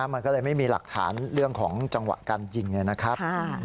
มันก็เลยไม่มีหลักฐานเรื่องของจังหวะการยิงนะครับ